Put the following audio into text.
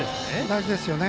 大事ですよね。